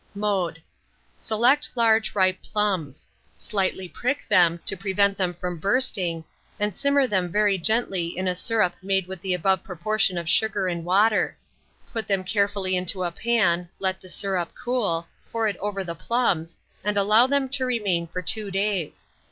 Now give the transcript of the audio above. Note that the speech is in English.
Mode. Select large ripe plums; slightly prick them, to prevent them from bursting, and simmer them very gently in a syrup made with the above proportion of sugar and water. Put them carefully into a pan, let the syrup cool, pour it over the plums, and allow them to remain for two days.